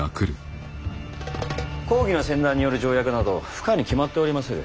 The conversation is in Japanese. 公儀の専断による条約など不可に決まっておりまする。